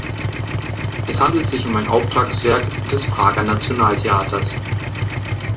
Es handelt sich um ein Auftragswerk des Prager Nationaltheaters.